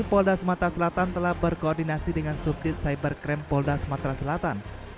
polda sumatera selatan telah berkoordinasi dengan subdit cybercrime polda sumatera selatan